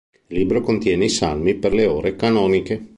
Il libro contiene i salmi per le ore canoniche.